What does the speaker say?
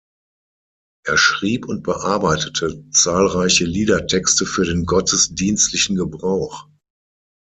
Er schrieb und bearbeitete zahlreiche Liedertexte für den gottesdienstlichen Gebrauch.